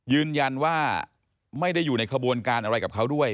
ยืนยันว่าไม่ได้อยู่ในขบวนการอะไรกับเขาด้วย